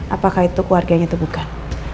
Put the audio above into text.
apakah itu keluarganya itu bukan